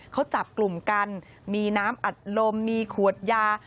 เขาจับกลุ่มกันมีน้ำอัดลมมีขวดยา